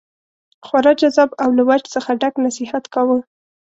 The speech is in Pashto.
خورا جذاب او له وجد څخه ډک نصیحت کاوه.